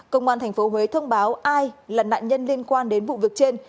công an tp huế thông báo ai là nạn nhân liên quan đến vụ việc trên